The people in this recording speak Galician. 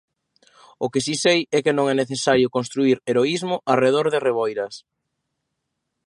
O que si sei é que non é necesario construír heroísmo arredor de Reboiras.